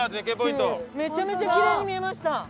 めちゃめちゃキレイに見えました！